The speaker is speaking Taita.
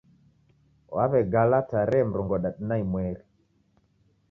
Wawegala tarehe murongodadu na imweri